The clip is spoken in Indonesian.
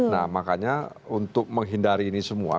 nah makanya untuk menghindari ini semua